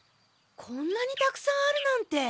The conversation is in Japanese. こんなにたくさんあるなんて。